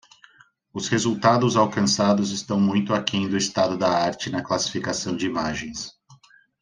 Os resultados alcançados estão muito aquém do estado da arte na classificação de imagens.